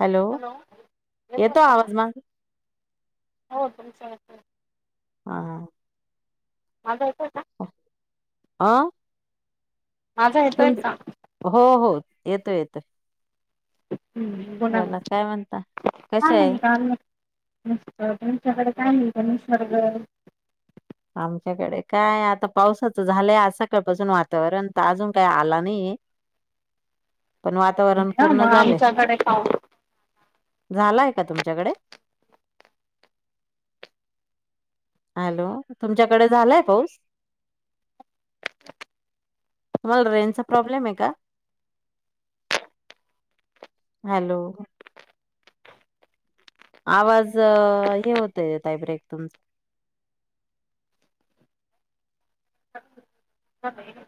Hello hello येतोय येतो का आवाज माझ हो तुमचा येतोय. हा हा. आय आ. माझा येतोय का. येतोय येतोय. गुण म्हणता कश आहे नाही का काच्याड. [unintelligible] आमच्याकडे काय आता पावसाच झालंय आज सकाळपासून वातावरण तर अजून काय आला नाही. ही [unintelligible] पण वातावरण हा पूर्ण मग झाले आमच्याकडे पाऊस झालाय. का तुमच्याकडे. हॅलो तुमच्याकडे झालाय पाऊस. तुम्हाला रेंज चा प्रॉब्लेम आहे का? हॅलो! आवाज हे होतय येतय ब्रेक तुमचा.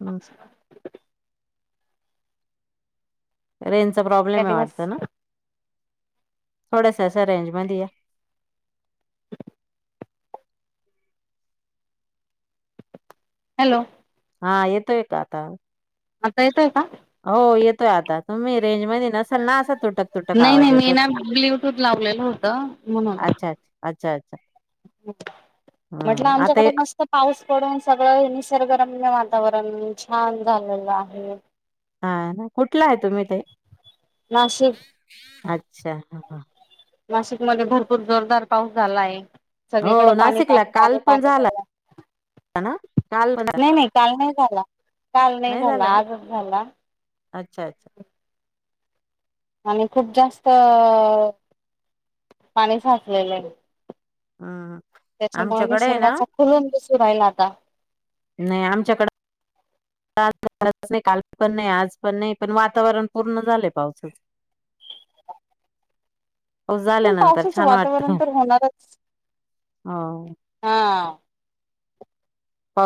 हम. त्या रेंजचा प्रॉब्लेम आहे दिवस वाटत ना. थोडा स अस अ रेंज मध्ये या. हॅलो! हा येतोय का आता. आता येतय का. हो येतोय आता तुम्ही रेंज मध्ये नसेल ना. तुटक तुटक नाही नाही आवाज मी येतो ना ब्ल्यूटूथ लावलेलं होतं म्हणून. अच्छा अच्छा अच्छा अच्छा. म्हटलं हम्म आता आमच्याकडे ये- मस्त पाऊस. डून सगळं निसर्गरम वातावरण छान झालेलं आहे. हा ना कुठला आहे तुम्ही ते नाशिक अच्छा ह. नाशिक मध्ये भरपूर जोरदार पाऊस झाला आहे. सगळीकडें हो पाणी नाशिकला पाणी काल पाणी पण पाणी झाला झायला. ना काल पण झाला. नाही नाही काल नाही झाला काल नाही झालं झाला का आजच झाला. अच्छा अच्छा. आणि खूप जास्त पाणी साचलेलं आहे. हा. त्याच्यामुळे आमच्याकडे आहे ना निसर्गाचा खुलून दिसू राहिला आता नाही आमच्याकडे. नाही काल पण नाही आज पण नाही पण वातावरण पूर्ण झालंय पावसाच. [unintelligible] पाऊस पण झाल्यानंतर पावसाचं छान वाटत वातावरण तर होणारच हो हा.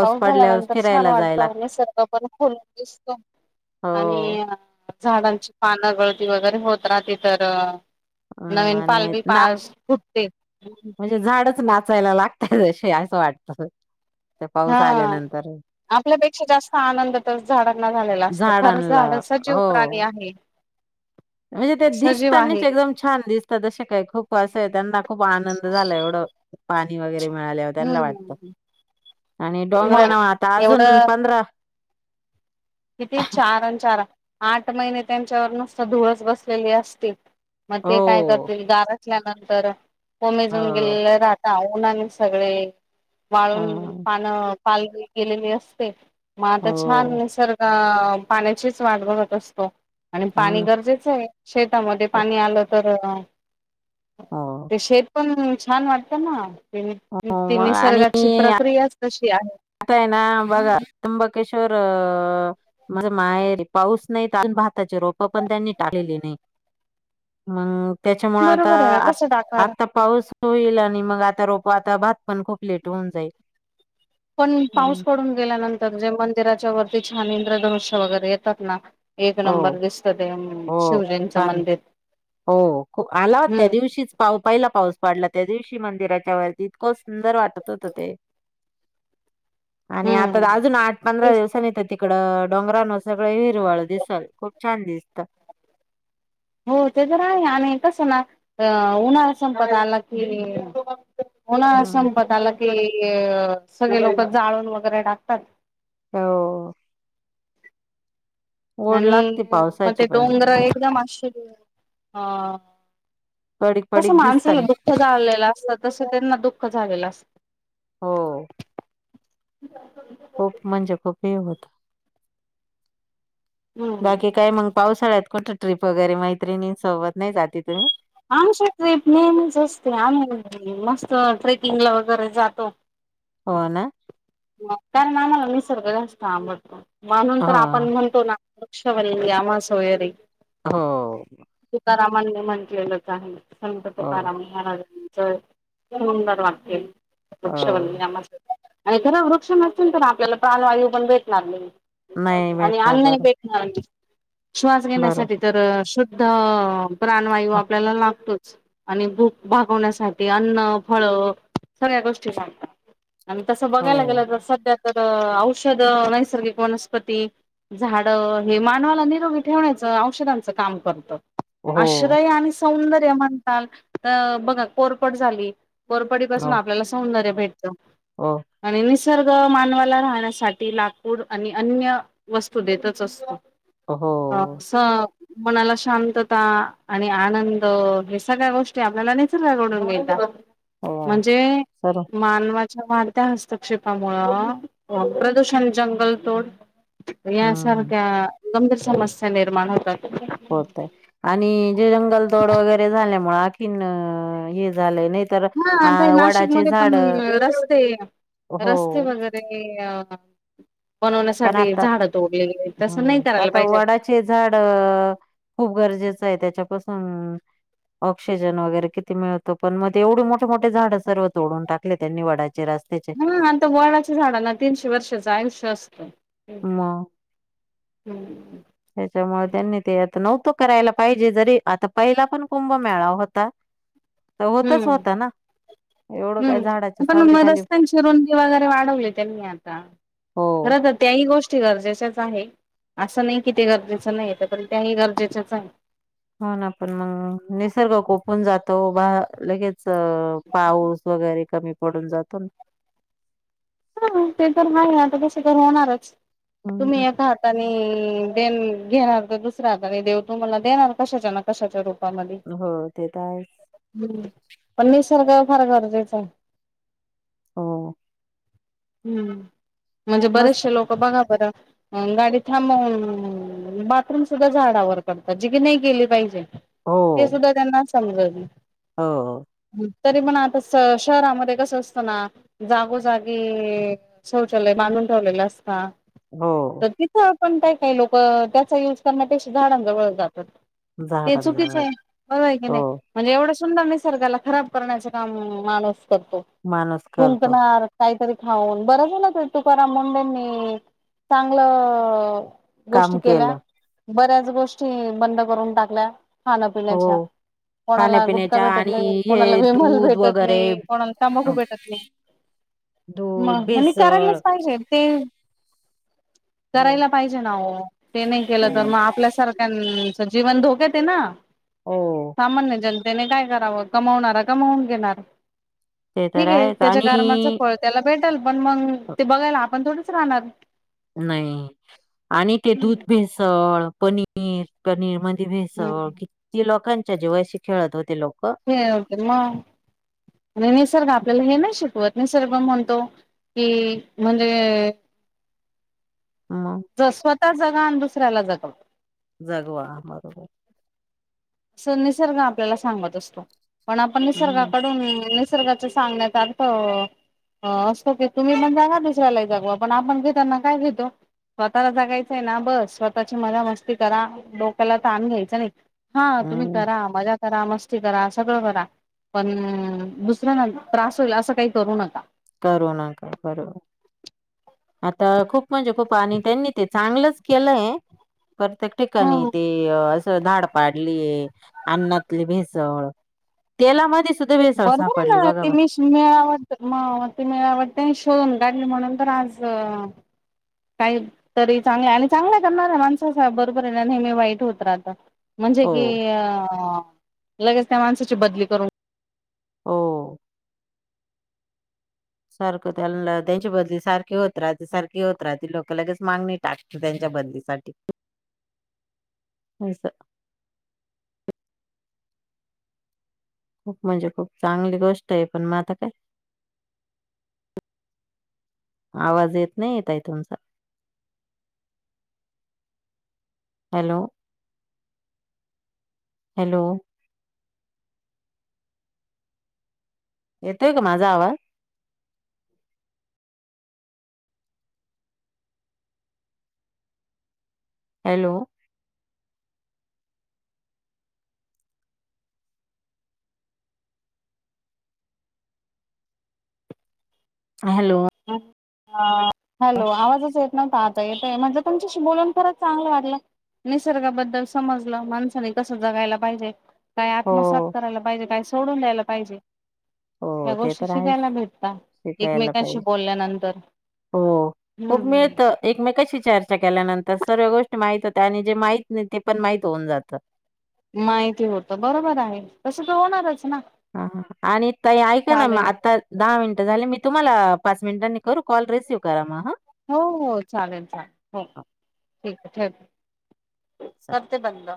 पाऊस पडल्यावर झाल्यानंतर छान फिरायला जायला वाटतं लाग- निसर्ग पण खलुन दिसतो. हो आणि झाडांची पानं गळती वगैरे होत राहते तर. हं, नवीन आणि पालवी ना पा फुटते. वाचायला लागतय ज असं वाटत ते हा पाऊस आल्यानंतर. आपल्यापेक्षा जास्त आनंद तर झाडांना झालेला असत खरंच झाडांला झाडचाजीव पा हो. णी आहे. म्हणजे ते सजीव दिसतनीच आहे एकदम छान दिसतात ते काय खूप वा. खूप आनंद झाला एवढं पाणी वगैरे. मिळाल्या त्यांना वाटत हम्म आणि डोंगरा मग नाव आता अजून एवढं पंधरा. किती चार चार आठ महिने त्यांच्यावर नुसत धुअस बसलेली असते. मग ते काय हो करतील गार असल्यानंतर कोमेजून हो. गेले राहता. उने सगळे हा वाळून पानं पालली केलेली असते. मग आता हो छानसर्ग पाण्याचीच वाट बघत असतो आणि हो पाणी ना गरजेचं आहे शेतामध्ये हो पाणी आलं तर हो. ते शेत पण छान वाटतं ना हो ती मग निसर्गाची प्रक्रियाच कशी आहे मतााय ना बघ तुंबकेशोर माहेरी पाऊस नाही तर भाताची रोप पण त्यांनी टाळलेली नाही मग त्याच्यामुळे आता बरोबर आहे ना कसं टाकणार आता पाऊस होईल आणि मग आता रोप आता भात पण खूप लेट होऊन जाईल पण हम्म. पाऊस पडून गेल्यानंतर जे मंदिराच्या वरती ते छान इंद्रधनुष्य वगैरे येतात ना एक हो नंबर दिसत ते हो शिवजींचं छान मंदिर हो आला त्या हम्म दिवशीच पाव पाहिला पाऊस पाड त्या दिवशी मंदिराच्या वरती इतकं सुंदर वाटत होत ते आणि हम्म आता अजून आठ पंधरा तेच ना दिवसांनी तर तिकडं डोंगरान सगळं हिरवाळ दिसल खूप छान दिसत हो ते तर आहे आणि कसं ना अ उन्हाळा्या संपदा आला कि होणा हम्म. संपत आला की सगळे लोक जाळून वगैरे टाकतात हो ओढ आणि लागते मग ते पावसाची पण डोंगर मग एकदम अ अ पडीक तसं पडीक दिसतात माणसाला दुःख झालेलं असतं तसं त्यांना दुःख झालेलं असत हो [unintelligible] खूप म्हणजे खूप हेी होत हम्म बाकी काय म्हग पावसाळ्यात कोणत ट्रिप वगैरे मैत्रिणी सोबत नाही जाते तुम्ही आमची ट्रिप नेहमीच असते आम्ही मस्त ट्रेकिंगला वगैरे जातो. हो ना कारण आम्हाला निसर्ग जास्त आवडतो. म्हणून तर आपण हो म्हणतो ना वृक्षवंगी आम्हा सोयरी हो तकारामांनी म्हटलेलंच आहे संत हो तकाराम महाराजांनी सुंदर वाक्य आहे वृक्षवल्ली हो आम्हा सोयरी आणि खर वृक्ष नसेल तर आपल्याला प्राणवायू पण भेटणार नाही. नाही आणि भेटणार अन्न बरं भेटणार नाही. श्वास बरं घेण्यासाठी तर शुद्ध प्राणवायू आपल्याला लागतोच आणि भूक भागवण्यासाठी अन्न फळ सगळ्या गोष्टी सांगतात आणि तसं हो बघायला गेलं तर सध्या तर औषध नैसर्गिक वनस्पती झाड हे मानवाला निरोगी ठेवण्याचं औषधांचं काम करतं. हो आश्रय आणि सौंदर्य म्हणताल तर बघा कोरफड झाली. कोरफडी हो पासून आपल्याला सौंदर्य भेटत हो आणि निसर्ग मानवाला राहण्यासाठी लाकूड आणि अन्य वस्तू देतच असतो. हो अ स मनाला शांतता आणि आनंद हे सगळ्या गोष्टी आपल्याला निसर्गाकडून मिळतात हो म्हणजे सर्व मानवा वाढत्या हस्तक्षेपामु प्रदूषण जंगल तोड हम्म यासारख्या गंभीर समस्या निर्माण होतात. होतय आणि जे जंगल तोड वगैरे झा आणखीन हे झाले हा ते वडाचे नाशिकमध्ये झाड पण रस्ते हो रस्ते वगैरे अ पण बनवण्यासाठी आता झाडं तोडली गेली ह तसं नाही का करायला आता पाहिजे. वडाचे झाड खूप गरजेचं आहे त्याच्यापासून ऑक्सिजन वगैरे किती मिळतो पण मग ते एवढी मोठे मोठे झाडं सर्व तोडून टाकले त्यांनी वडाचे रस्त्याचे हा आता वडच्या झाडांना तीनशे वर्षाचं आयुष्य असतं. मग हम्म. त्याच्यामुळे त्यांनी ते आता. नव्हतो करायला पाहिजे जरी आता पहिला पण कुंभ मेळा होता. तर होतच हम्म. होता ना. एवढं काय हम्म झाडाच्या पण म सावली खाली रस्तांचीरुंदी वगैरे वाढवली त्यांनी आता हो खर तर त्याही गोष्टी गरजेच्याच आहे. असं नाही कि ते गरजेचं नाही तर पण त्याही गरजेचंच आहे. हो ना आपण मग निसर्ग कोपून जातो बा लगेच पाऊस. वगैरे कमी पडून जातो. [inaudible] हा ते तर नाही आता कसे तर होणारच तुम्ही हम्म येत आहात आणि, देन घेणार तर दुसरा्या आणि देव तुम्हाला देणार कशाच्या ना कशाच्या रूपात. पण निसर्ग हो ते तर आहेच पण निसर्ग फार गरजेचे आहे. हो. हम्म म्हणजे मस्त बरेचसे लोक बघा बरं अ गाडी थांबव बाथरूम सुद्धा झाडावर करतात जी की नाही केली पाहिजे. हो ते सुद्धा त्यांना समजात नाही. हो तरी पण आता शहरामध्ये कसं असतं ना जागोजागी. म शौचालय बांधून ठेवलेलं असता. हो. तर तिथं पण काय काय लोक त्याचा युज करन्या पेक्षा झाडांजवळ जातात. ते चुकीच झाडांजवळ आहे बरं आहे की हो नाही म्हणजे एवढं र निसर्गाला खराब करण्याच काम माणूस करतों माणूस करतो थूकंनार काहीतरी खाऊन बरं झाल ना ते तुकाराम मुंडे् यांंनी चांगलं. काम गोष्टी केल्या केलं बऱ्याच गोष्टी बंद करून टाकल्या हो खाण्यापिण्याच्या कोणाला गुटखा खाण्यापिण्याच्या भेटत आणि नाही, कोणाला हे विमल दूध भेटत वगैरे नाही, कोणाला तबाखू भेटत नाही. म दूध आणि भेसळ करायलाच पाहिजे ते हो करायला पाहिजे ना हो ते नाही केलं हो तर मग आपल्यासारखं जीवन धोकयांत ये ना हो सामान्य जन त्याणे काय कराव कमवणार कमवून घेणार ते तर ठीक आहे आहेच त्याच्या कारमाच आणि त्याला भेटल पण मग ते बघायला आपण थोडच राहणार. नाही आणि ते दूध हम्म भेसळ पनीर पनीर म्हण. भेसळ किती लोकांच्या जीवाशी खेळत होते लोक हे क मग आणि निसर्ग आपल्याला हे नाही शिकवत. मी सर्व म्हणतो की म्हणजे. मग ज स्वतः जगा आणि दुसऱ्याला जगवा जगवा बरोबर निसर्ग आपल्याला सांगत असतो पण आपण हम्म निसर्गाकडून निसर्गाच सांगण्यात आर्थ अ असो की तुम्ही पण जागा दुसऱ्याला जागवा पण आपण घेताना काय घेतो. स्वतःला जगायचंय ना बस स्वतःची मजा मस्ती करा डोक्याला तान घ्यायचं नाही. हा तुम्ही हम्म करा मजा करा मस्ती करा सगळं करा पण दुसऱ्यांना त्रास होईल असं काही करू नका. करू न का बरोबर आता खूप म्हणजे खूप आणि त्यांनी ते चांगलच केलंय प्रत्येक ठिकाणी हो. ते. धाड पाडली ये अन्नातली भेसळ तेला म्हध्ये बरोबर आहे ना ते मी मवत म ते मला आ वाटते आणि शोून काढली म्हणून तर आज काही तरी चांगल्या आणि चांगल्या करणार आहे माणसाब बरोबर आहे ना नेहमी वाईट होत राहत म्हणजे हो की अ लगेच त्या माणसाची बदली करून हो सारखं त्यां त्यांच्या बदली सारखी होत राहते सारखी होत राहते लोक लगेच मागणी टाकत त्यांच्या बलीसाठी ह हयसं खूप म्हणजे खूप चांगली गोष्ट आहे पण मग आता काय आवाज येत नाही येतय तुमचा हॅलो हॅलो येतोय का माझा आवाज हॅलो हॅलो हम अ हॅलो आवाजच येत नव्हता आता येतय म्हणज तुमच्याशी बोलून खरच चांगलं वाटलं निसर्गाबद्दल समजलं माणसानी कसं जगायला पाहिजे काय हो आत्मसात करायला पाहिजे काय सोडून द्यायला पाहिजे या हो ते गोष्टी तर आहेच शिकायला भेटतात. शिकायला एकमेकांशी बोलल्यानंतर हो खूप हम्म मिळत एकमेकशी चर्चा केल्यानंतर सर्व गोष्टी माहित होत आणि जे माहित नाही ते पण माहित होऊन जात माहिती होत बरोबर आहे तस तर होणारच ना हा आणि त ऐक ना चालेल आता दहा मिनिटं झाले मी तुम्हाला पाच मिनिटांनी करू कॉल? रिसीव्ह करा मग हां. हो हो चालेल चालेल हो ठीक आहे चालेल. मते बंद